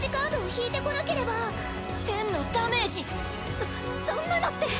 そそんなのって！